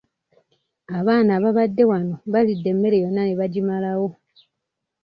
Abaana ababadde wano balidde emmere yonna ne bagimalawo.